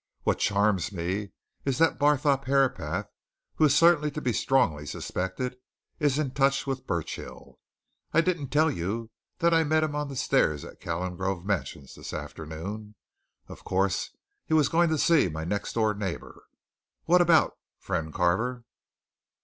What charms me is that Barthorpe Herapath, who is certainly to be strongly suspected, is in touch with Burchill I didn't tell you that I met him on the stairs at Calengrove Mansions this afternoon. Of course, he was going to see my next door neighbour! What about, friend Carver?"